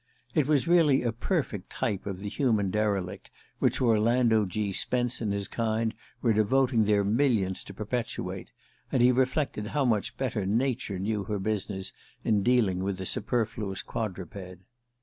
It was really a perfect type of the human derelict which Orlando G. Spence and his kind were devoting their millions to perpetuate, and he reflected how much better Nature knew her business in dealing with the superfluous quadruped.